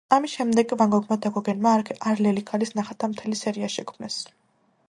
ამის შემდეგ ვან გოგმა და გოგენმა არლელი ქალის ნახატთა მთელი სერია შექმნეს.